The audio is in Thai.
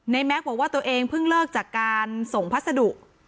แม็กซ์บอกว่าตัวเองเพิ่งเลิกจากการส่งพัสดุ